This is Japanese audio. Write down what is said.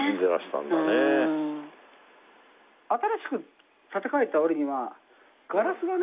新しく建て替えた割にはガラスがね。